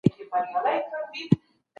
د دغي غونډې پرېکړي مهمي دي.